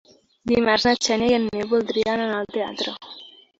Dimarts na Xènia i en Nil voldria anar al teatre.